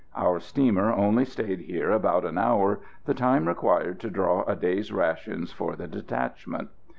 Our steamer only stayed here about an hour, the time required to draw a day's rations for the detachment.